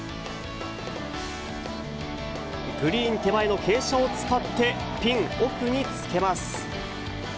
グリーン手前の傾斜を使ってピン奥につけます。